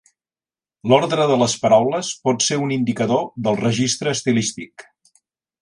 L'ordre de les paraules pot ser un indicador del registre estilístic.